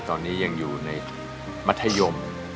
ตอนนี้ยังอยู่ในมัธยม